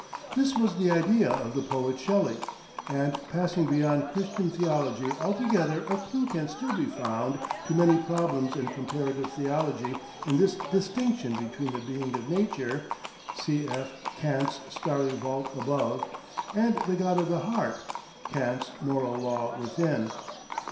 This was the idea of the poet Shelley. And passing beyond Christian theology altogether a clue can still be found to many problems in comparative theology in this distinction between the Being of Nature (cf. Kant's "starry vault above") and the God of the heart (Kant's "moral law within").